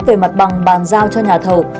về mặt bằng bàn giao cho nhà thầu